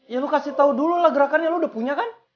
ya lu kasih tau dulu lah gerakannya lu udah punya kan